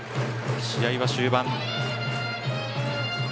試合は終盤。